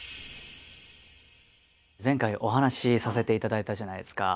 前回お話しさせていただいたじゃないですか。